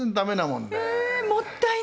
えもったいない！